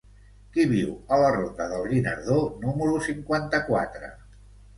Qui viu a la ronda del Guinardó número cinquanta-quatre?